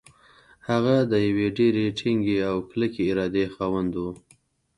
هغه د يوې ډېرې ټينګې او کلکې ارادې خاوند و.